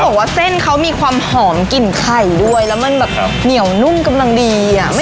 บอกว่าเส้นเขามีความหอมกลิ่นไข่ด้วยแล้วมันแบบเหนียวนุ่มกำลังดีอ่ะ